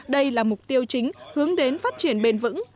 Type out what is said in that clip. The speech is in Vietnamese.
đây là mục tiêu chính hướng đến phát triển bền vững